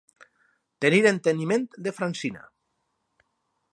Tenir enteniment de Francina.